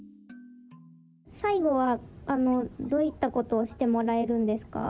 最後はどういったことをしてもらえるんですか？